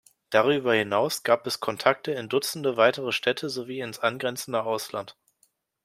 Darüber hinaus gab es Kontakte in Dutzende weitere Städte sowie ins angrenzende Ausland.